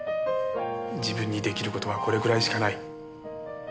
自分に出来る事はこれぐらいしかない。